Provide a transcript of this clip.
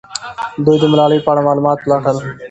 دوی د ملالۍ په اړه معلومات پلټل.